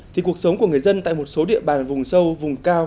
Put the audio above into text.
thì cuộc sống của người dân tại một số địa bàn vùng sâu vùng cao